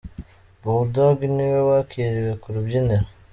Bull Dogg niwe wakiriwe ku rubyiniro.